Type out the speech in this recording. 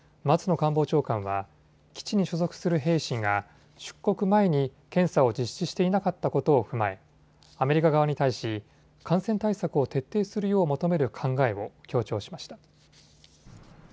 官房長官は基地に所属する兵士が出国前に検査を実施していなかったことを踏まえアメリカ側に対し感染対策を徹底するよう求める考えを強調しました。